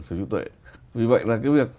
sở hữu trí tuệ vì vậy là cái việc